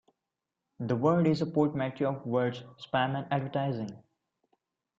The word is a portmanteau of the words spam and advertising.